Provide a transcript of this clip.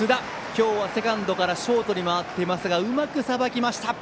今日はセカンドからショートに回っていますがうまくさばきました。